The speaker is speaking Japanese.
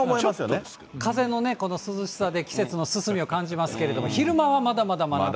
ちょっと風のね、涼しさで季節の進みを感じますけれども、昼間はまだまだ真夏。